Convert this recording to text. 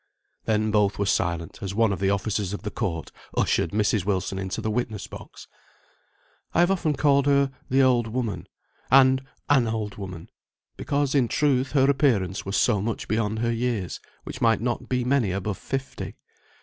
Then both were silent, as one of the officers of the court ushered Mrs. Wilson into the witness box. I have often called her "the old woman," and "an old woman," because, in truth, her appearance was so much beyond her years, which might not be many above fifty.